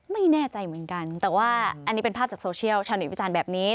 ไม่แน่ใจเหมือนกันแต่ว่าอันนี้เป็นภาพจากโซเชียลชาวเน็ตวิจารณ์แบบนี้